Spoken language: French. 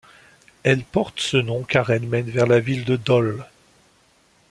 Elle porte ce nom car elle mène vers la ville de Dole.